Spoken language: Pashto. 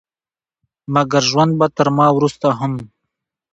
مګر ژوند به تر ما وروسته هم